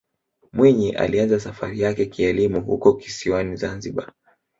mwinyi alianza safari yake kielimu huko kisiwani zanzibar